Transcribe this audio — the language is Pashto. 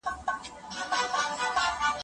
شکره نه ده چې په تول به کمه شینه»